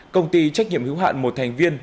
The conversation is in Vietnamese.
công ty trách nhiệm hữu hạn một thành viên